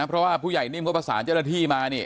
เพราะว่าผู้ใหญ่นิ่มก็ประสานเจ้าหน้าที่มานี่